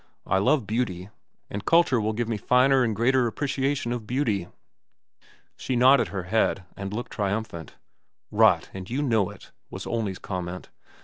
"I love beauty, and culture will give me a finer and keener appreciation of beauty." She nodded her head and looked triumph. "Rot, and you know it," was Olney's comment.